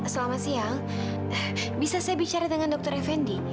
selamat siang bisa saya bicara dengan dokter fnd